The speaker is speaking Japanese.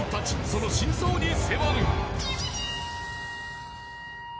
その真相に迫る！